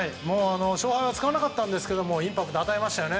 勝敗はつかなかったんですけれどもインパクトを与えましたよね。